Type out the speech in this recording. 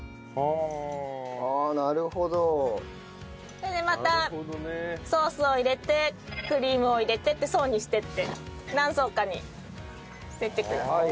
それでまたソースを入れてクリームを入れてって層にしていって何層かにしていってください。